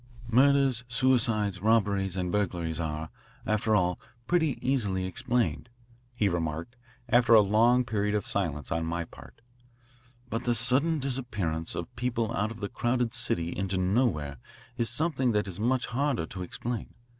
Murders, suicides, robberies, and burglaries are, after all, pretty easily explained," he remarked, after a long period of silence on my part, "but the sudden disappearance of people out of the crowded city into nowhere is something that is much harder to explain.